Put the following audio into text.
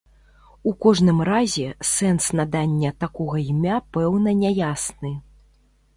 У кожным разе, сэнс надання такога імя пэўна не ясны.